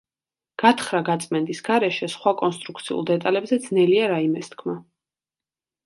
გათხრა-გაწმენდის გარეშე სხვა კონსტრუქციულ დეტალებზე ძნელია რაიმეს თქმა.